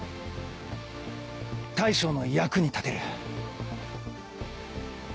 大将の役に立てる？